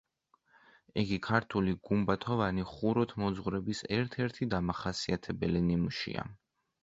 იგი ქართული გუმბათოვანი ხუროთმოძღვრების ერთ-ერთი დამახასიათებელი ნიმუშია.